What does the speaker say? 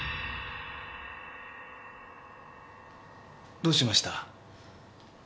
「」どうしました？